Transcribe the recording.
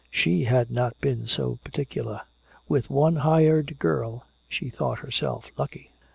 She had not been so particular. With one hired girl she had thought herself lucky.